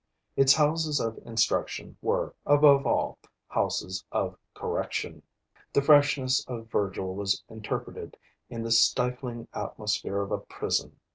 Its houses of instruction were, above all, houses of correction. The freshness of Virgil was interpreted in the stifling atmosphere of a prison.